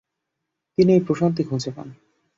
তিনি এই প্রশান্তি খুঁজে পান।